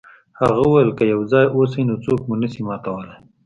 هغه وویل که یو ځای اوسئ نو څوک مو نشي ماتولی.